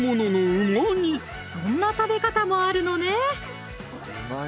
そんな食べ方もあるのね